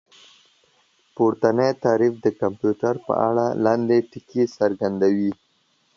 پورتنی تعريف د کمپيوټر په اړه لاندې ټکي څرګندوي